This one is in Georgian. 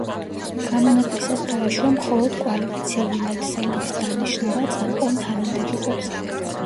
გამონაკლისად დაიშვა მხოლოდ კვალიფიციური ნათესავების დანიშნვა წამყვან თანამდებობებზე.